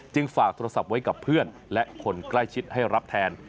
ฝากโทรศัพท์ไว้กับเพื่อนและคนใกล้ชิดให้รับแทน